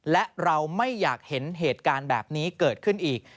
และเราไม่อยากเห็นเหตุการณ์แบบนี้เกิดขึ้นอีก